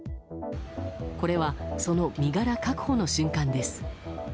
これは、その身柄確保の瞬間です。